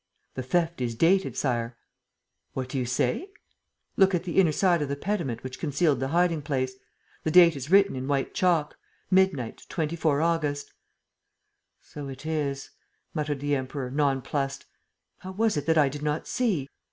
"The theft is dated, Sire." "What do you say?" "Look at the inner side of the pediment which concealed the hiding place. The date is written in white chalk: 'Midnight, 24 August.' ..." "So it is," muttered the Emperor, nonplussed. "How was it that I did not see?"